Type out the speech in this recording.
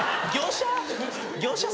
業者？